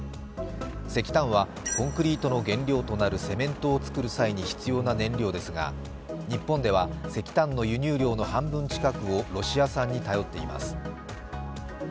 石炭はコンクリートの原料となるセメントを作る際に必要な燃料ですが日本では石炭の輸入量の半分をロシア産に頼っています。